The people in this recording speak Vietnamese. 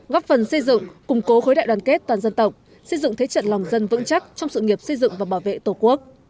góp phần xây dựng củng cố khối đại đoàn kết toàn dân tộc xây dựng thế trận lòng dân vững chắc trong sự nghiệp xây dựng và bảo vệ tổ quốc